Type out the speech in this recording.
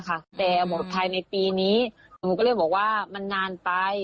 เขาบอกว่ามันนานไป